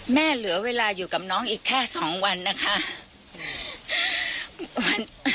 เหลือเวลาอยู่กับน้องอีกแค่๒วันนะคะ